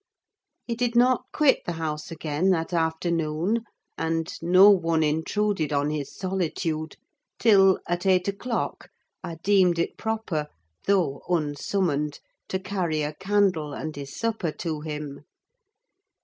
He did not quit the house again that afternoon, and no one intruded on his solitude; till, at eight o'clock, I deemed it proper, though unsummoned, to carry a candle and his supper to him.